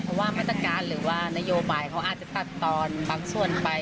เพราะว่ามาตรการหรือว่านโยบายเขาอาจจะตัดตอนบางส่วนไป